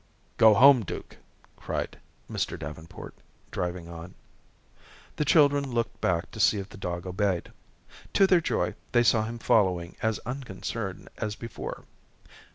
"Go home, Duke," cried Mr. Davenport, driving on. The children looked back to see if the dog obeyed. To their joy, they saw him following as unconcerned as before.